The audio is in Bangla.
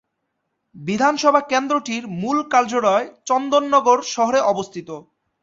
বিধানসভা কেন্দ্রটির মূল কার্যালয় চন্দননগর শহরে অবস্থিত।